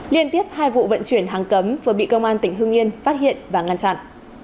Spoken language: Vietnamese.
liên tiếp hai vụ vận chuyển hàng cấm vừa bị công an tỉnh hương yên phát hiện và ngăn chặn